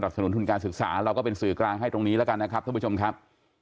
สนุนทุนการศึกษาเราก็เป็นสื่อกลางให้ตรงนี้แล้วกันนะครับท่านผู้ชมครับ